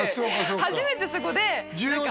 初めてそこで何か